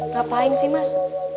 ngapain sih mas